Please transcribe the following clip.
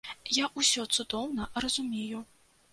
Я ўсё цудоўна разумею.